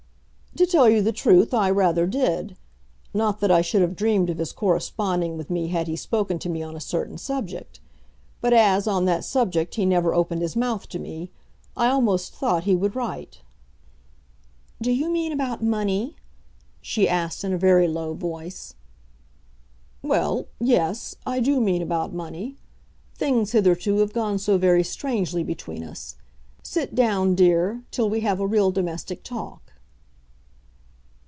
"To tell you the truth, I rather did. Not that I should have dreamed of his corresponding with me had he spoken to me on a certain subject. But as, on that subject, he never opened his mouth to me, I almost thought he would write." "Do you mean about money?" she asked in a very low voice. "Well; yes; I do mean about money. Things hitherto have gone so very strangely between us. Sit down, dear, till we have a real domestic talk."